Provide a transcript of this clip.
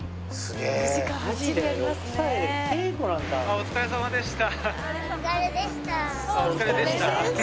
お疲れさまでした。